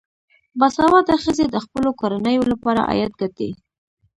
باسواده ښځې د خپلو کورنیو لپاره عاید ګټي.